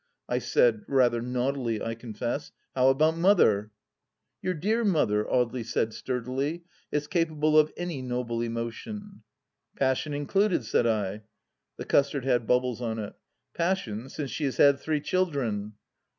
I said — rather naughtily, I confess — "How about Mother? "" Your dear mother," Audely said sturdily, " is capable of any noble emotion." " Passion included !" said I. The custard had bubbles on it !" Passion, since she has had three children."